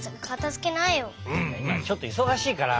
いまちょっといそがしいから。